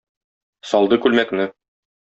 Салды күлмәкне.